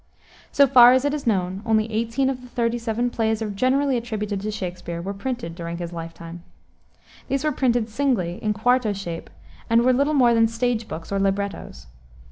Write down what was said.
So far as is known, only eighteen of the thirty seven plays generally attributed to Shakspere were printed during his life time. These were printed singly, in quarto shape, and were little more than stage books, or librettos.